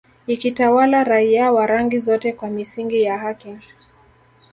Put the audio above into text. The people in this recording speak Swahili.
ikitawala raia wa rangi zote kwa misingi ya haki